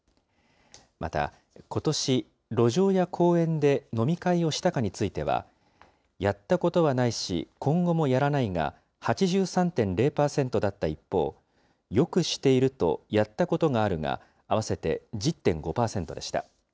またことし、路上や公園で飲み会をしたかについては、やったことはないし、今後もやらないが８３．０％だった一方、よくしていると、やったことがあるが合わせて１０．５％でした。